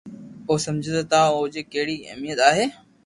اهو سمجهندا ته ان جي ڪهڙي اهميت آهي،